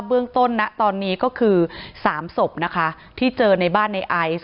เรื่องต้นนะตอนนี้ก็คือ๓ศพนะคะที่เจอในบ้านในไอซ์